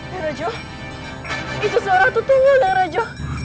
ya raju itu suara tutup mulutnya raju